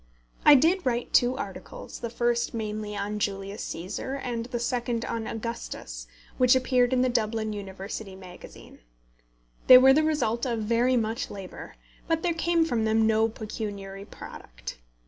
I did write two articles, the first mainly on Julius Cæsar, and the second on Augustus, which appeared in the Dublin University Magazine. They were the result of very much labour, but there came from them no pecuniary product.